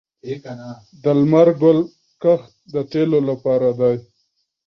د لمر ګل کښت د تیلو لپاره دی